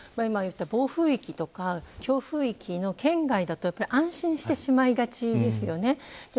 今、言っていた暴風域とか強風域の圏外だと安心してしまいがちですよね。